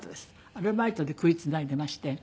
アルバイトで食いつないでいまして。